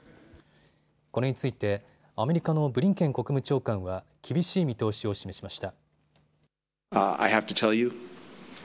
これについてアメリカのブリンケン国務長官は厳しい見通しを示しました。